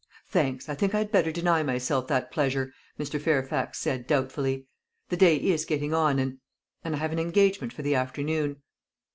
"Thanks. I think I had better deny myself that pleasure," Mr. Fairfax said doubtfully. "The day is getting on, and and I have an engagement for the afternoon."